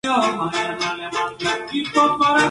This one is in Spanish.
Ahora se tiene varios trabajadores por un solo salario.